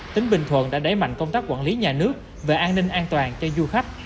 tỉnh bình thuận đã đẩy mạnh công tác quản lý nhà nước về an ninh an toàn cho du khách